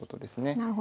なるほど。